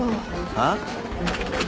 あっ？